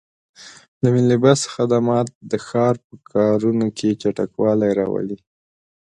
د ملي بس خدمات د ښار په کارونو کې چټکوالی راولي.